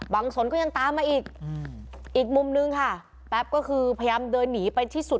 สนก็ยังตามมาอีกอีกมุมนึงค่ะแป๊บก็คือพยายามเดินหนีไปที่สุด